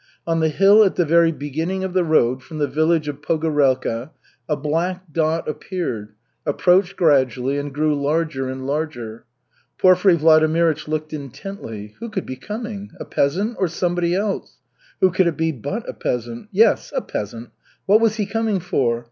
On the hill at the very beginning of the road from the village of Pogorelka a black dot appeared, approached gradually and grew larger and larger. Porfiry Vladimirych looked intently. "Who could be coming, a peasant or somebody else? Who could it be but a peasant? Yes, a peasant! What was he coming for?